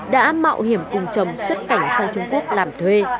đã mạo hiểm cùng chồng xuất cảnh sang trung quốc làm thuê